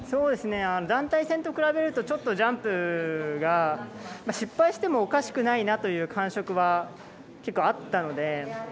団体戦と比べるとちょっとジャンプが失敗してもおかしくないなという感触は結構あったので。